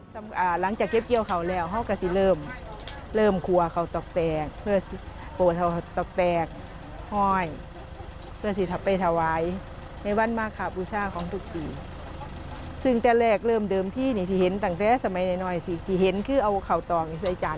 จากมาลัยข้าวตอกควงเล็กที่ทุกบ้านนำไปวัดด้วยความศรัทธาในวันมาท่าบูชา